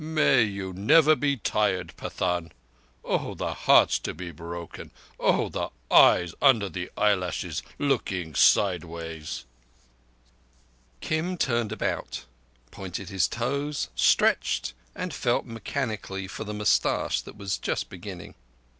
"May you never be tired, Pathan! Oh, the hearts to be broken! Oh, the eyes under the eyelashes, looking sideways!" Kim turned about, pointed his toes, stretched, and felt mechanically for the moustache that was just beginning.